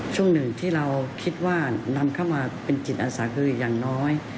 ช่วงหนึ่งที่เราคิดว่านำเข้ามาเป็นจิตอาสาคืออย่างน้อย